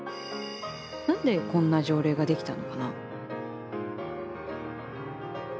何でこんな条例ができたのかな？